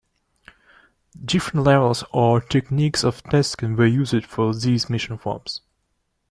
Different levels or techniques of tasking were used for these mission forms.